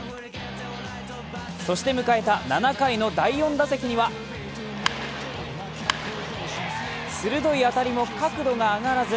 そして迎えた７回の第４打席には鋭い当たりも角度が上がらず。